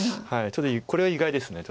ちょっとこれは意外です。